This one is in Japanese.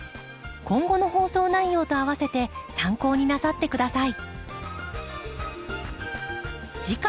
今後の放送内容とあわせて参考になさって下さい。